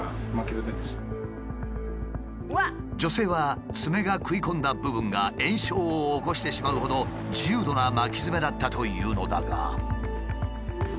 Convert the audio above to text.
女性はツメが食い込んだ部分が炎症を起こしてしまうほど重度な巻きヅメだったというのだが。